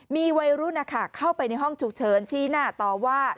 มีวัยรุ่นเข้าไปในห้องฉุกเฉินชี้หน้าต่อว่า